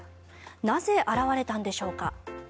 なぜ現れたんでしょうか。